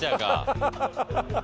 ハハハ。